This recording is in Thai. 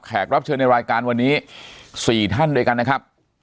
รับเชิญในรายการวันนี้๔ท่านด้วยกันนะครับ